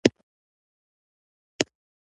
د چرګانو وروستی اواز د ورځې پای ښيي.